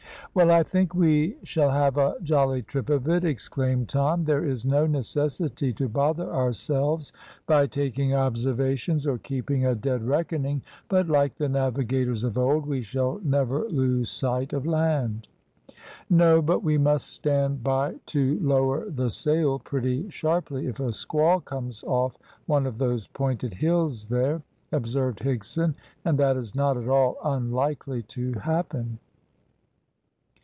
"Well, I think we shall have a jolly trip of it," exclaimed Tom. "There is no necessity to bother ourselves by taking observations or keeping a dead reckoning, but, like the navigators of old, we shall never lose sight of land." "No; but we must stand by to lower the sail pretty sharply if a squall comes off one of those pointed hills there," observed Higson, "and that is not at all unlikely to happen."